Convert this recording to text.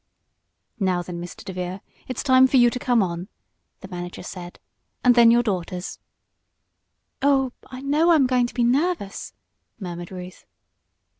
"Now then, Mr. DeVere, it's time for you to come on," the manager said. "And then your daughters." "Oh, I know I'm going to be nervous!" murmured Ruth.